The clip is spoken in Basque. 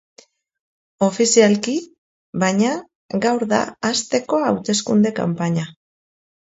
Ofizialki, baina, gaur da hastekoa hauteskunde kanpaina.